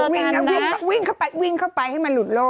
วิ่งเอ่อวิ่งเข้าไปวิ่งเข้าไปมันหลุดโรค